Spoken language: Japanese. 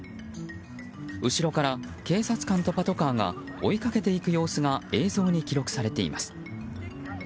後ろから、警察官とパトカーが追いかけていく様子が映像に記録されています。